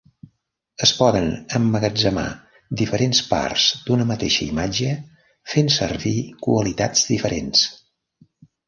Es poden emmagatzemar diferents parts d'una mateixa imatge fent servir qualitats diferents.